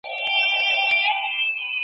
ښوونځی زدهکوونکي د رهبرۍ مهارت ته هڅوي.